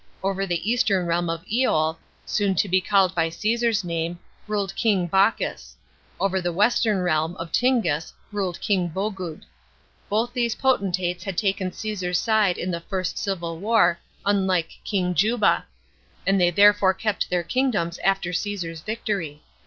Over the eastern realm of lol, soon to be called by Caesar's name, ruled King Bocchus ; over the western realm of Tingis ruled King Bogud. Both these poten tates had taken Caesar's side in the first civil war, unlike King Juba ; and they therefore kept their kingdoms after Caesar's victory.